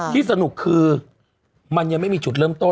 ที่สนุกคือ